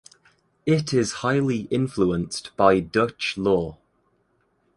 It is highly influenced by Dutch law.